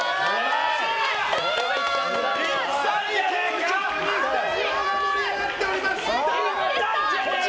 最高潮にスタジオが盛り上がっております！